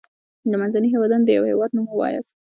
د منځني هيواد دیوه هیواد نوم ووایاست.